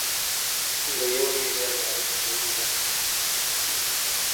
د يو ميليارد ډالرو درېيمه برخه نغدې روپۍ ډېرې وي